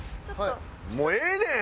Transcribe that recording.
もうええねん！